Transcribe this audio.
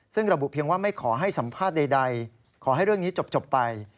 ซึ่งระบุเพียงว่าไม่ขอให้สัมภาษณ์ใดขอให้เรื่องนี้จบไป